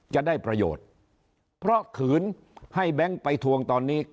จะได้ประโยชน์เพราะขืนให้แบงค์ไปทวงตอนนี้